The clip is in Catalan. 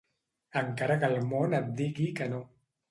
Encara que el món et digui que no.